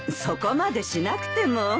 そこまでしなくても。